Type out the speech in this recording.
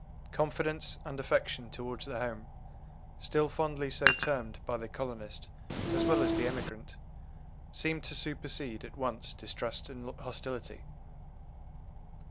Confidence and affection towards the home, still fondly so termed by the colonist as well as the emigrant, seem to supersede at once distrust and hostility.